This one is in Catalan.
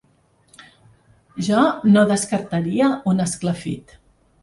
Jo no descartaria un esclafit.